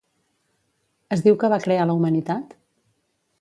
Es diu que va crear la humanitat?